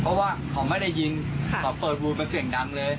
เพราะว่าเขาไม่ได้ยิงเขาเปิดวูดเป็นเสียงดังเลย